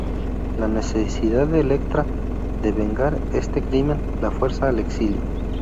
La necesidad de Elektra de vengar este crimen la fuerza al exilio.